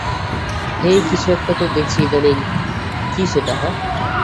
হেই, কিছু একটা তো দেখছো ইদানিং, কী সেটা, হাহ?